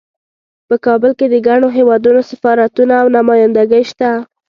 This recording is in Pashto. په کابل کې د ګڼو هیوادونو سفارتونه او نمایندګۍ شته